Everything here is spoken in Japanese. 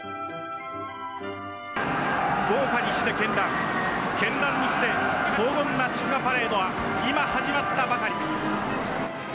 豪華にして絢爛絢爛にして荘厳な祝賀パレードは今始まったばかり。